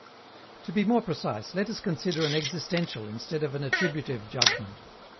To be more precise, let us consider an existential, instead of an attributive, judgment.